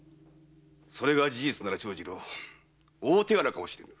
それが事実なら大手柄かもしれぬ。